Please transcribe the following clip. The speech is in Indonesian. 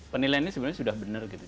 penilaiannya sebenarnya sudah bener gitu